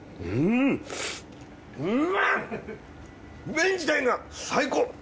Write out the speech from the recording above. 麺自体が最高！